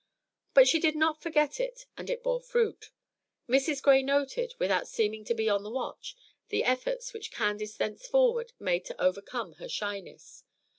But she did not forget it, and it bore fruit. Mrs. Gray noted, without seeming to be on the watch, the efforts which Candace thenceforward made to overcome her shyness.